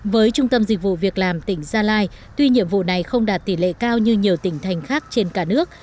với trung tâm dịch vụ việc làm tỉnh gia lai tuy nhiệm vụ này không đạt tỷ lệ cao như nhiều tỉnh thành khác trên cả nước